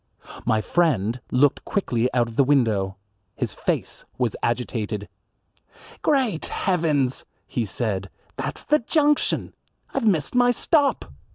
My friend looked quickly out of the window. His face was agitated. "Great heavens!" he said, "that's the junction. I've missed my stop.